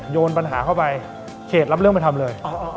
โยนปัญหาเข้าไปเขตรับเรื่องไปทำเลย